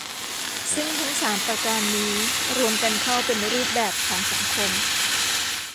ซึ่งทั้งสามประการนี้ รวมกันเข้าเป็นรูปแบบของสังคม